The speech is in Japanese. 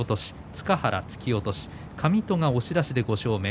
塚原、突き落とし上戸、押し出し、５勝目。